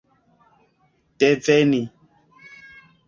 deveni